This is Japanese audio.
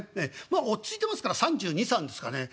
まあ落ち着いてますから３２３３ですかね？